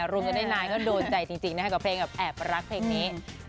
โดยจะมีโดนใจจุกนะก็เพลงกับแอบเอ็บรัก